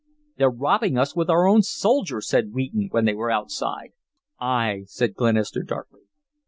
"They're robbing us with our own soldiers," said Wheaton, when they were outside. "Ay," said Glenister, darkly.